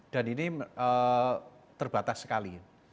dan ini terbatas sekali